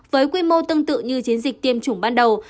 với quy mô tương tự như chiến dịch tiêm chủng ban đầu